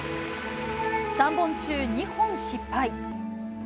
３本中２本失敗。